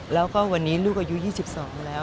แล้วก็วันนี้ลูกอายุ๒๒แล้ว